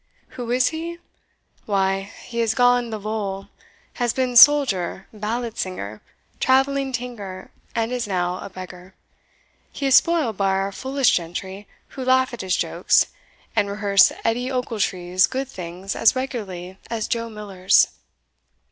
Who is he? why, he has gone the vole has been soldier, ballad singer, travelling tinker, and is now a beggar. He is spoiled by our foolish gentry, who laugh at his jokes, and rehearse Edie Ochiltree's good thing's as regularly as Joe Miller's."